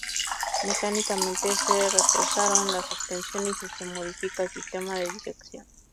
Mecánicamente, se reforzaron las suspensiones y se modificó el sistema de dirección.